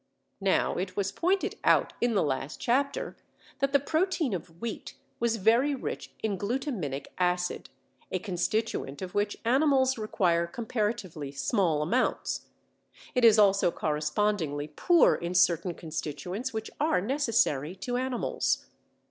Now it was pointed out in the last chapter that the protein of wheat was very rich in glutaminic acid, a constituent of which animals require comparatively small amounts. It is also correspondingly poor in certain constituents which are necessary to animals.